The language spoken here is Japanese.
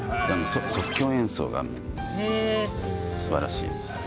即興演奏が素晴らしいです。